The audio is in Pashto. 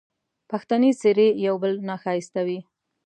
پښتني څېرې یو بل نه ښایسته وې